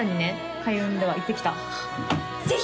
開運では行ってきたぜひ！